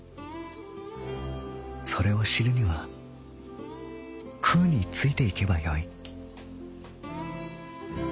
それを知るにはくうについてゆけばよい」。